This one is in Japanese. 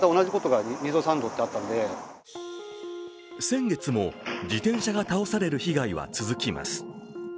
先月も自転車が倒される被害は続きます。